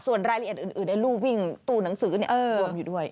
ส่วนรายละเอียดอื่นในรูปวิ่งตู้หนังสือรวมอยู่ด้วย